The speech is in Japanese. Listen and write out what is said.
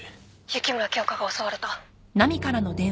雪村京花が襲われた。